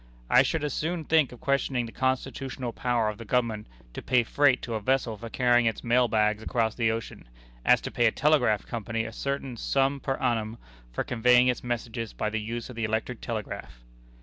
I should as soon think of questioning the constitutional power of the Government to pay freight to a vessel for carrying its mail bags across the ocean, as to pay a telegraph company a certain sum per annum for conveying its messages by the use of the electric telegraph."